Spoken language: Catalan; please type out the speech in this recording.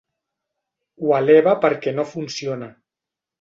Ho eleva perquè no funciona.